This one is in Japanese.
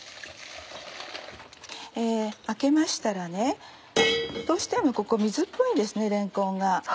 あけましたらどうしてもここ水っぽいんですねれんこんが。